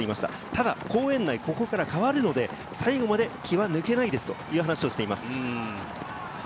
ただ公園内、ここから変わるので、最後まで気は抜けないですという話をしています。